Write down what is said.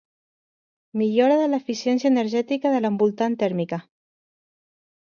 Millora de l'eficiència energètica de l'envoltant tèrmica.